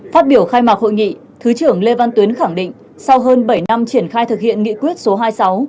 phát biểu khai mạc hội nghị thứ trưởng lê văn tuyến khẳng định sau hơn bảy năm triển khai thực hiện nghị quyết số hai mươi sáu